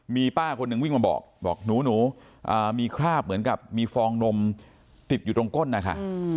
มีป้าคนหนึ่งวิ่งมาบอกบอกหนูมีคราบเหมือนกับมีฟองนมติดอยู่ตรงก้นนะคะ